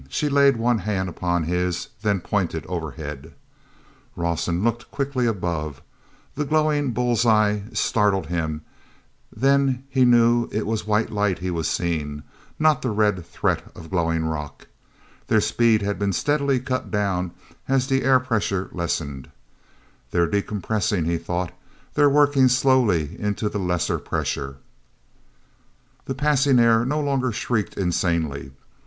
She laid one hand upon his, then pointed overhead. awson looked quickly above. The glowing bull's eyes startled him, then he knew it was white light he was seeing, not the red threat of glowing rock. Their speed had been steadily cut down as the air pressure lessened. "They're decompressing," he thought. "They're working slowly into the lesser pressure." The passing air no longer shrieked insanely.